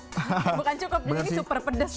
bukan cukup ini super pedas sih